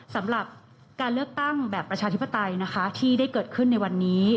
สำหรับการเลือกตั้งแบบประชาธิปไตยนะคะที่ได้เกิดขึ้นในวันนี้